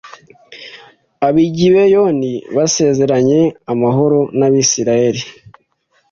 Abagibeyoni basezeranye amahoro n Abisirayeli